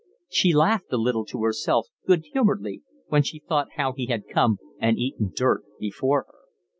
She laughed a little to herself, good humouredly, when she thought how he had come and eaten dirt before her.